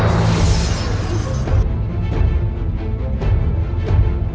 aku mau lihat pertumpahan darah